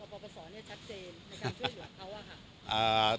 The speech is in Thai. ตอนนี้เขาก็เลยอยากจะให้กปปสชักเจนในการช่วยหลวงเขาอะค่ะ